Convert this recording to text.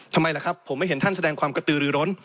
ทำไมล่ะครับผมไม่เห็นท่านแสดงความกระตือรือร้น